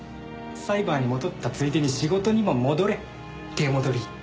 サイバーに戻ったついでに仕事にも戻れ出戻り。